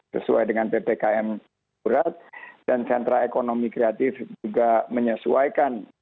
sesuai dengan ppkm berat dan sentra ekonomi kreatif juga menyesuaikan